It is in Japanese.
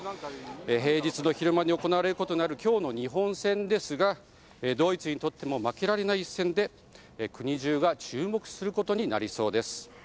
平日の昼間に行われる今日の初戦ですがドイツにとっても負けられない一戦で国中が注目することになりそうです。